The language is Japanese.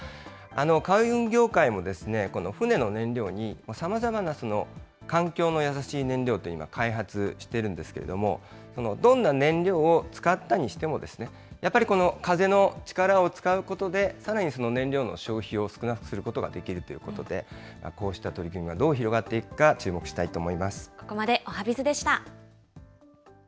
海運業界も、この船の燃料にさまざまな環境に優しい燃料というのを開発しているんですけれども、どんな燃料を使ったにしても、やっぱりこの風の力を使うことで、さらにその燃料の消費を少なくすることができるということで、こうした取り組みがどう広がっていここまで、おはＢｉｚでした。